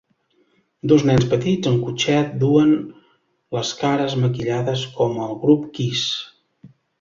Dos nens petits en cotxet duen les cares maquillades com el grup Kiss.